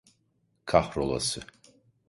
Kahrolası!